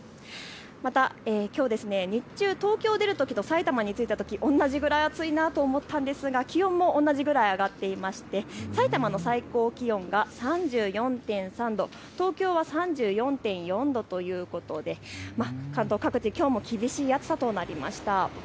また、きょう、東京出るときと埼玉に着いたとき同じくらい暑いなと思ったんですが気温も同じくらい上がっていてさいたまの最高気温が３４．３度、東京は３４．４度ということで、各地きょうも厳しい暑さとなりました。